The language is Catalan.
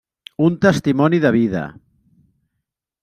Un testimoni de vida.